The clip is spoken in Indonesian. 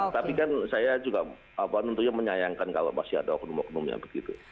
tapi kan saya juga tentunya menyayangkan kalau masih ada oknum oknum yang begitu